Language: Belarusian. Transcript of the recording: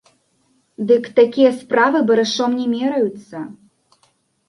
Дык такія справы барышом не мераюцца.